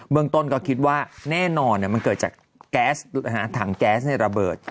เบื้องต้นก็คิดว่าแน่นอนเนี่ยมันเกิดจากทางแก๊สในระเบิด